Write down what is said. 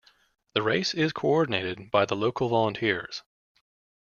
The race is coordinated by the local volunteers.